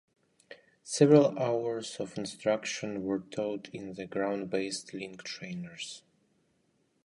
Several hours of instruction were taught in the ground-based Link Trainers.